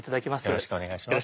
よろしくお願いします。